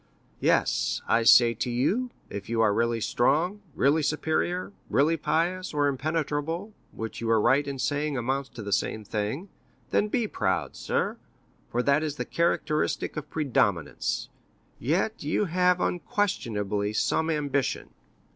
"Yes, and I say to you, if you are really strong, really superior, really pious, or impenetrable, which you were right in saying amounts to the same thing—then be proud, sir, for that is the characteristic of predominance. Yet you have unquestionably some ambition."